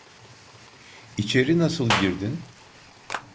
İçeri nasıl girdin?